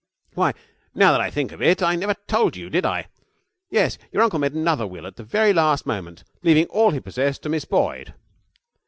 'Why, now that I think of it, I never told you, did I? Yes, your uncle made another will at the very last moment, leaving all he possessed to Miss Boyd.'